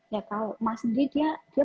ya kalau emah sendiri dia